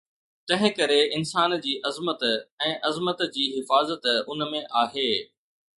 تنهن ڪري انسان جي عظمت ۽ عظمت جي حفاظت ان ۾ آهي